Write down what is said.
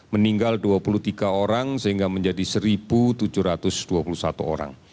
meninggal dua puluh tiga orang sehingga menjadi satu tujuh ratus dua puluh satu orang